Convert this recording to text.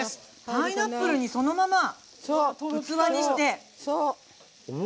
パイナップルそのまま器にして。